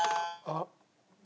あっ。